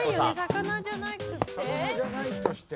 魚じゃないとして。